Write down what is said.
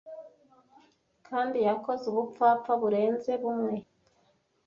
kandi yakoze ubupfapfa burenze bumwe